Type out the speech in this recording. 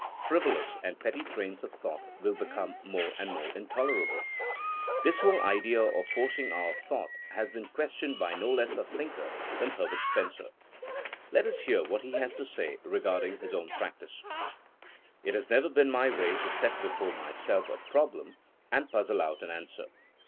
Frivolous and petty trains of thought will become more and more intolerable. This whole idea of forcing our thought has been questioned by no less a thinker than Her bert Spencer. Let us hear what he has to say regarding his own practice : It has never been my way to set before my self a problem and puzzle out an answer.